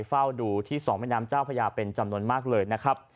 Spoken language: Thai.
ฝ้าดูที่ส่องแม่น้ำเจ้าพระยาเป็นจำนวนมาก